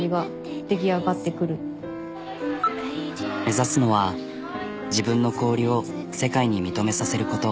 目指すのは自分の氷を世界に認めさせること。